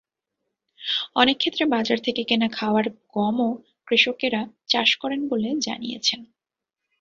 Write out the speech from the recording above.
অনেক ক্ষেত্রে বাজার থেকে কেনা খাওয়ার গমও কৃষকেরা চাষ করেন বলে জানিয়েছেন।